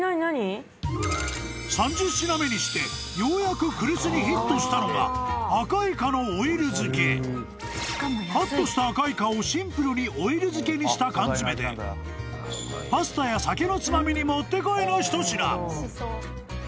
［３０品目にしてようやく来栖にヒットしたのがアカイカのオイル漬け］［カットしたアカイカをシンプルにオイル漬けにした缶詰でパスタや酒のつまみにもってこいの一品］